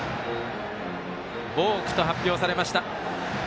ボークと発表されました。